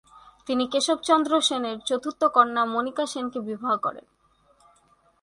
তিনি কেশবচন্দ্র সেনের চতুর্থ কন্যা মনিকা সেনকে বিবাহ করেন।